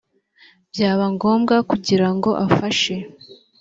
byaba ngombwa kugira ngo afashe